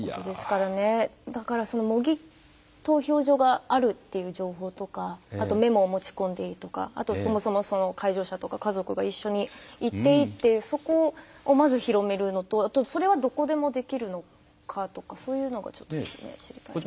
だから模擬投票所があるっていう情報とかあとメモを持ち込んでいいとかあとそもそも介助者とか家族が一緒に行っていいっていうそこをまず広めるのとあとそれはどこでもできるのかとかそういうのがちょっと知りたいですね。